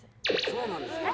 そうなんですか。